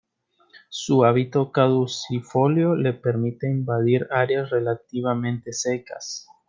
Su hábito caducifolio le permite invadir áreas relativamente secas.